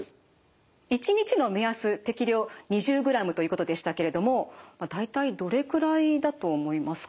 一日の目安適量２０グラムということでしたけれどもまあ大体どれくらいだと思いますか？